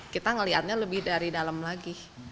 kita melihatnya lebih dari dalam lagi